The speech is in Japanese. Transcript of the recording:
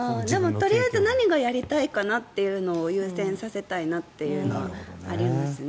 とりあえず自分が何をやりたいかなというのを優先させたいというのはありますね。